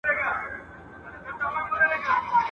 د باښو او د کارګانو هم نارې سوې.